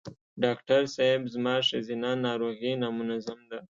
ډاکټر صېب زما ښځېنه ناروغی نامنظم ده